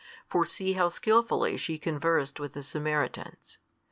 For see how skilfully she conversed with the Samaritans.